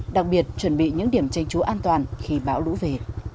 đặc biệt chuẩn bị những điểm tranh trú an toàn khi bão lũ về